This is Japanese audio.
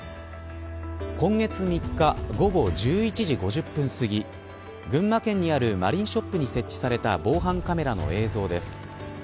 今月３日午後１１時５０分すぎ群馬県にあるマリンショップに設置された防犯カメラの映像です。